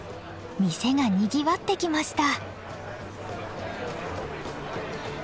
店がにぎわってきました。